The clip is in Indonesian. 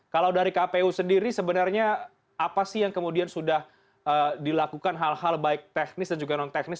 kalau dari kpu sendiri sebenarnya apa sih yang kemudian sudah dilakukan hal hal baik teknis dan juga non teknis